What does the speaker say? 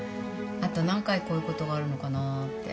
あと何回こういうことがあるのかなあって。